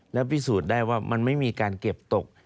แล้วพิสูจน์ได้ว่ามันไม่มีการเก็บตก